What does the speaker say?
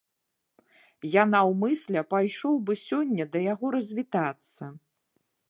Я наўмысля пайшоў быў сёння да яго развітацца.